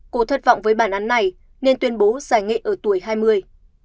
cô thất vọng với bản án này nên tuyên bố giải nghệ ở tuổi hai mươi